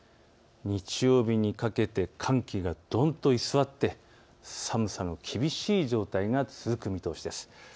日曜日にかけて寒気がどんと居座って寒さが厳しい状態が続く見通しです。